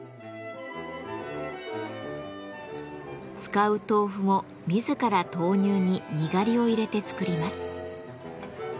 使う豆腐も自ら豆乳ににがりを入れて作ります。